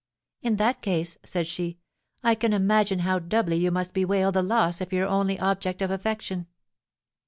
"In that case," said she, "I can imagine how doubly you must bewail the loss of your only object of affection!"